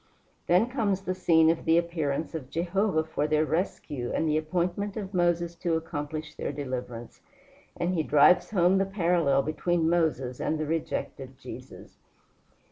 Then comes the scene of the appearance of Jehovah for their rescue and the appointment of Moses to accomplish their deliverance, and he drives home the parallel between Moses and the rejected Jesus.